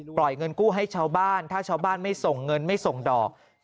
เงินกู้ให้ชาวบ้านถ้าชาวบ้านไม่ส่งเงินไม่ส่งดอก